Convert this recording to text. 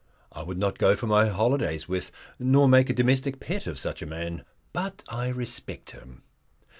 I would not go for my holidays with nor make a domestic pet of such a man, but I respect him.